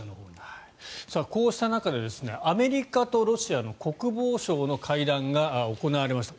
こうした中でアメリカとロシアの国防相の会談が行われました。